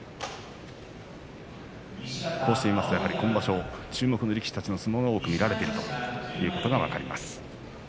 こうして見ますと今場所注目の力士たちの相撲が多く見られているということが分かります。